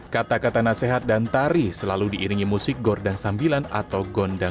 kata kata nasehat dan tari selalu diiringi musik gordang sambilan atau gondang